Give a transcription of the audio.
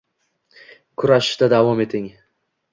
Kurashishda davom eting